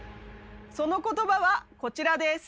その言葉はこちらです。